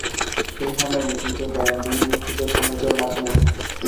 এ হামলায় নেতৃত্ব দেন বীর মুক্তিযোদ্ধা মেজর নাজমুল।